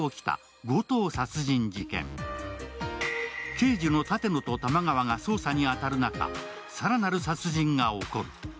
刑事の舘野と玉川が捜査に当たる中、更なる殺人が起こる。